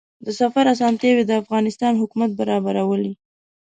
د سفر اسانتیاوې د افغانستان حکومت برابرولې.